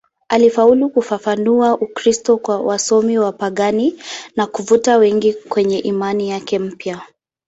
Alifaulu kufafanua Ukristo kwa wasomi wapagani na kuvuta wengi kwenye imani yake mpya.